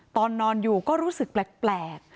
ตอนนอนอยู่ก็รู้สึกแปลก